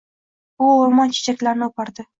U oʻrmon chechaklarini oʻpardi.